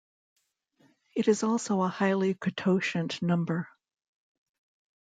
It is also a highly cototient number.